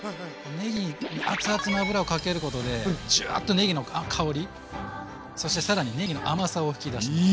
ねぎにアツアツの油をかけることでジュワーッとねぎの香りそして更にねぎの甘さを引き出します。